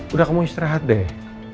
udah kamu istirahat deh